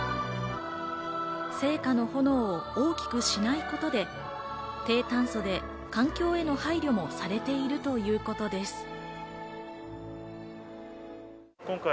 聖火の炎を大きくしないことで、低炭素で環境への配慮もされているということです。